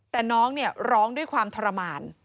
แต่น้องเนี่ยร้องด้วยความทรมาน